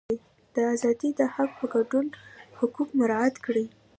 د ازادۍ د حق په ګډون حقوق مراعات کړي.